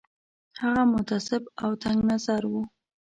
هغه متعصب او تنګ نظر وو.